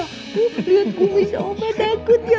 lihat kumis opa takut ya